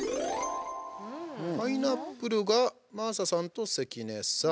パイナップルが真麻さんと関根さん。